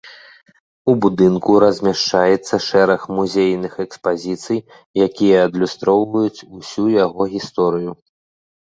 У будынку размяшчаецца шэраг музейных экспазіцый, якія адлюстроўваюць ўсю яго гісторыю.